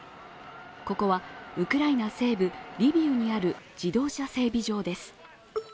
ここは、ウクライナ西部リビウにある自動車整備場です。